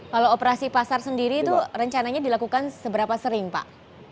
kalau operasi pasar sendiri itu rencananya dilakukan seberapa sering pak